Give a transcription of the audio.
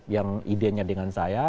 yang idenya dengan saya